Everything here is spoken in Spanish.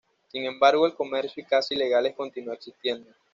Sin embargo el comercio y caza ilegales continua existiendo.